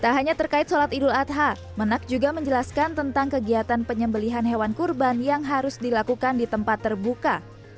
tak hanya terkait sholat idul adha menak juga menjelaskan tentang kegiatan penyembelihan hewan kurban yang harus dilakukan di tempat terbuka